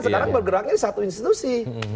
sekarang bergeraknya satu institusi